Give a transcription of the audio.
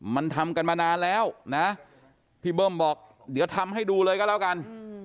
มันทำกันมานานแล้วนะพี่เบิ้มบอกเดี๋ยวทำให้ดูเลยก็แล้วกัน